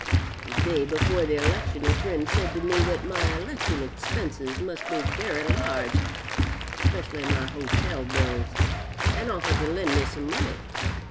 The day before the election a friend said to me that my election expenses must be very large specially my hotel bills, and offered to lend me some money.